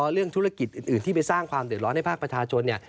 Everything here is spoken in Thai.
เรื่องธุรกิจอื่นที่ไปสร้างความเดือดร้อนให้ภาคประชาชนเนี่ย